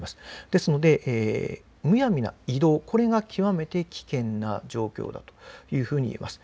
ですのでむやみな移動これが極めて危険な状況だといえます。